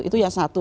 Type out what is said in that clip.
itu ya satu